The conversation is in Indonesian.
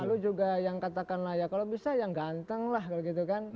lalu juga yang katakanlah ya kalau bisa ya ganteng lah kalau gitu kan